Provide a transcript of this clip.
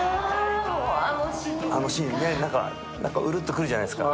あのシーンね、うるってくるじゃないですか。